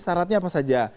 saratnya apa saja